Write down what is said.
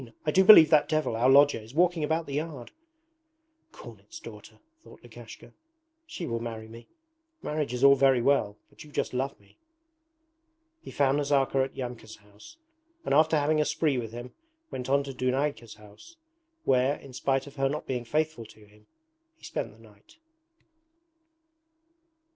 I do believe that devil, our lodger, is walking about the yard.' 'Cornet's daughter,' thought Lukashka. 'She will marry me. Marriage is all very well, but you just love me!' He found Nazarka at Yamka's house, and after having a spree with him went to Dunayka's house, where, in spite of her not being faithful to him, he spent the night.